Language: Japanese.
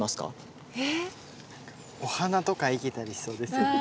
お花とか生けたりしそうですよね。